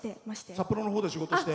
札幌のほうで仕事して。